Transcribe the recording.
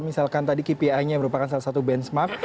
misalkan tadi kpi nya merupakan salah satu benchmark